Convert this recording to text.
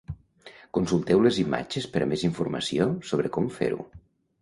Consulteu les imatges per a més informació sobre com fer-ho.